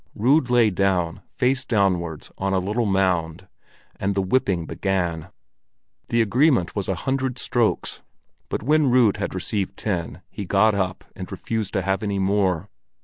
Rud lay down, face downwards, on a little mound, and the whipping began. The agreement was a hundred strokes, but when Rud had received ten, he got up and refused to have any more.